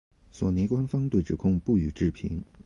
索尼官方对指控不予置评。